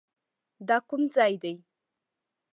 دا کوم ځای دی؟